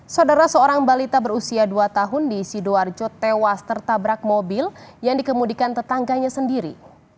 saudara seorang balita berusia dua tahun di sidoarjo tewas tertabrak mobil yang dikemudikan tetangganya sendiri